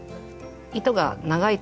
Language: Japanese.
糸が長い。